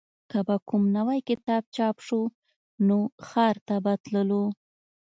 که به کوم نوی کتاب چاپ شو نو ښار ته تللو